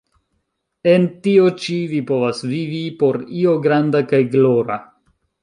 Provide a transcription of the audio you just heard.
En tio ĉi vi povas vivi por io granda kaj glora.